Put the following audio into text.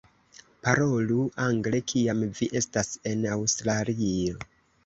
Parolu angle kiam vi estas en Aŭstralio!